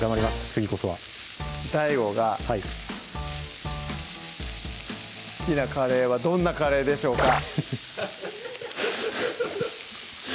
次こそはＤＡＩＧＯがはい好きなカレーはどんなカレーでしょうか？